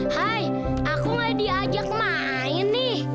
hai aku gak diajak main nih